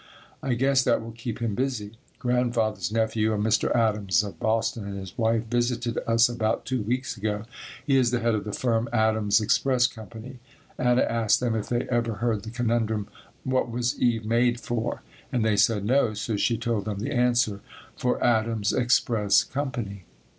I guess that will keep him busy. Grandfather's nephew, a Mr. Adams of Boston and his wife, visited us about two weeks ago. He is the head of the firm Adams' Express Co. Anna asked them if they ever heard the conundrum "What was Eve made for?" and they said no, so she told them the answer, "for Adam's express company."